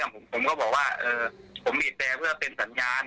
แต่คือมันก็ต้องใช้ส่งสัญญาณ